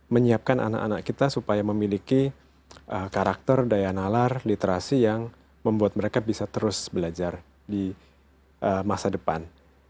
menyiapkan anak anak kita supaya memiliki karakter daya nalar literasi yang membuat mereka bisa terus belajar di masa depan